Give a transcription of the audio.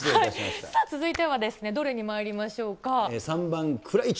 続いては、どれにまいりましょう３番、蔵イチ。